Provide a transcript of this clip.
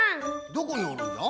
どこにおるんじゃ？